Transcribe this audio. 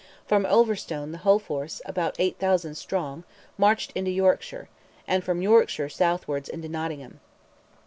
From Ulverstone the whole force, about 8,000 strong, marched into Yorkshire, and from Yorkshire southwards into Nottingham.